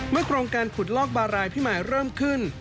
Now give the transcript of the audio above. โครงการขุดลอกบารายพิมายเริ่มขึ้น